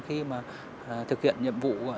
khi mà thực hiện nhiệm vụ